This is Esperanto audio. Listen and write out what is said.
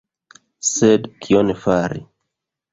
Sed kion fari?